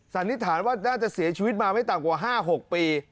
สันนิษฐานว่าน่าจะเสียชีวิตมาไม่ต่ำกว่า๕๖ปี